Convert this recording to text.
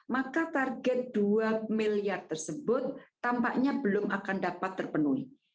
maka target dua miliar tersebut tampaknya belum akan dapat terpenuhi